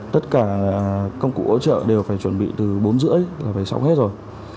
tất cả công cụ ỗ trợ đều phải chuẩn bị từ bốn rưỡi là phải sáu hết rồi